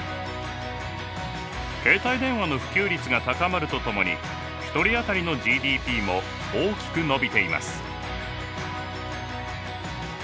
携帯電話の普及率が高まるとともに１人当たりのＧＤＰも大きく伸びています。